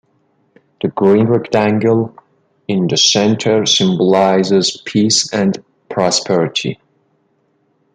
The green rectangle in the center symbolizes peace and prosperity.